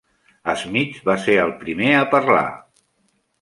Smith va ser el primer a parlar.